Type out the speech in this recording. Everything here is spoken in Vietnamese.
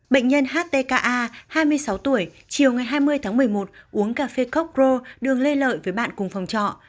bệnh nhân htka hai mươi sáu tuổi chiều ngày hai mươi tháng một mươi một uống cà phê coke pro đường lê lợi với bạn cùng phòng trọ